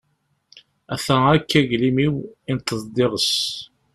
Ata akk uglim-iw, inteḍ-d d iɣes.